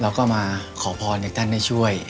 เราก็มาขอพรให้ท่านได้ช่วย